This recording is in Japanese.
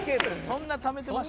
「そんなためてました？」